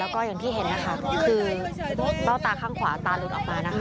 ก็อย่างที่เห็นค่ะคือเบ้าตาข้างขวาตารูดออกมา